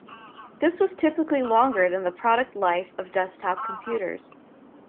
This was typically longer than the product life of desktop computers.